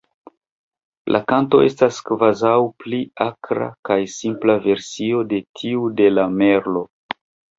La kanto estas kvazaŭ pli akra kaj simpla versio de tiu de la Merlo.